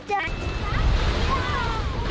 ได้เจอ